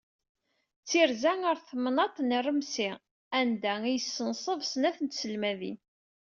D tirza ɣer temnaḍt n Rremci anda i yessenṣeb snat n tselmadin.